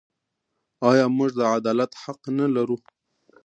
آیا موږ د عدالت حق نلرو؟